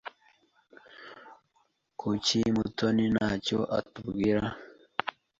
Kuki Mutoni ntacyo atubwira?